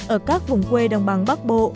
ở các vùng quê đồng bằng bắc bộ